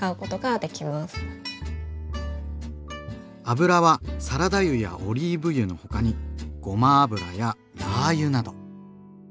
油はサラダ油やオリーブ油の他にごま油やラー油など。